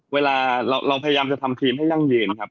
เวลาเราพยายามจะทำทีมให้ยั่งยืนครับ